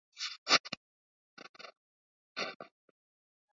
Na kumuachia mdogo wake ajulikanae kama Ràul Castro